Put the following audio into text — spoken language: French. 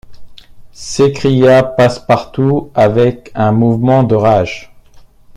s’écria Passepartout avec un mouvement de rage.